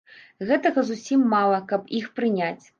Гэтага зусім мала, каб іх прыняць.